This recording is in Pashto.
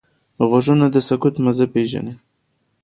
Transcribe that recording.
غوږونه د سکوت مزه پېژني